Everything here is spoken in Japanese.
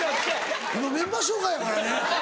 今メンバー紹介やからね。